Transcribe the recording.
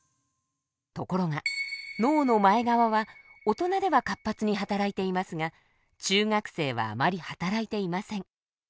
ところが脳の前側は大人では活発に働いていますが中学生はあまり働いていません。